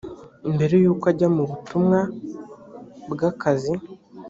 mbere y uko ajya mu butumwa bw akazi